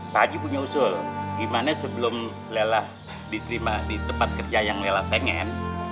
pak eji punya usul gimana sebelum lela diterima di tempat kerja yang lela pengen